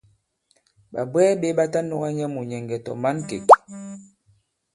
Ɓàbwɛɛ ɓē ɓa ta nɔ̄ga nyɛ mùnyɛ̀ŋgɛ̀ tɔ̀ mǎnkêk.